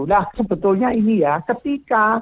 nah sebetulnya ini ya ketika